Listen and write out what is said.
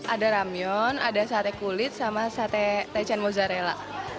ada ramyun ada sate kulit sama sate taichan mozzarella